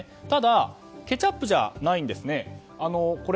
ただ、ケチャップじゃないんです。